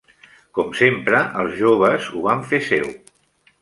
Com sempre, els joves ho van fer seu.